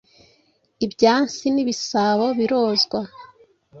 ibyansi n’ibisabo birozwa,